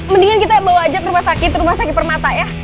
mendingan kita bawa ajak rumah sakit rumah sakit permata ya